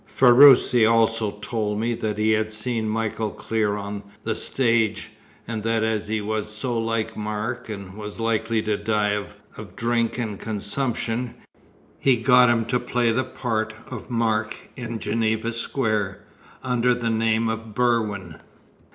Ferruci also told me that he had seen Michael Clear on the stage, and that as he was so like Mark, and was likely to die of drink and consumption, he got him to play the part of Mark in Geneva Square, under the name of Berwin.